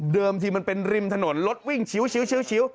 ทีมันเป็นริมถนนรถวิ่งชิว